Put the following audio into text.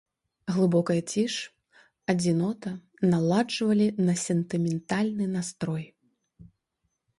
Глыбокая ціш, адзінота наладжвалі на сентыментальны настрой.